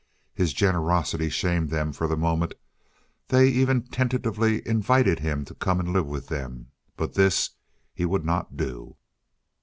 His generosity shamed them for the moment; they even tentatively invited him to come and live with them, but this he would not do.